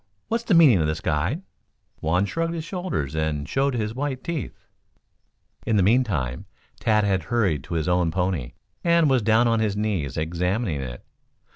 What's the meaning of this, guide?" Juan shrugged his shoulders and showed his white teeth. In the meantime Tad had hurried to his own pony, and was down on his knees examining it.